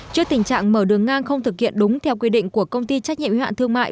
trước tình trạng mở đường ngang không thực hiện đúng theo quy định của công ty trách nhiệm hạn thương mại